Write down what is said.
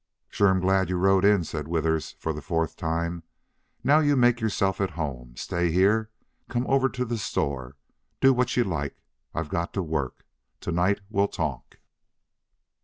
"Sure am glad you rode in," said Withers, for the fourth time. "Now you make yourself at home. Stay here come over to the store do what you like. I've got to work. To night we'll talk."